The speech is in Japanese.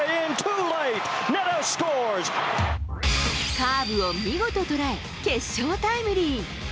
カーブを見事捉え、決勝タイムリー。